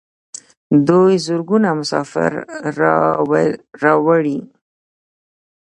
دوی زرګونه مسافر راوړي.